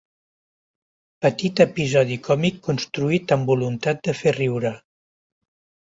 Petit episodi còmic construït amb voluntat de fer riure.